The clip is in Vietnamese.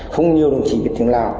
không nhiều người chỉ biết tiếng lào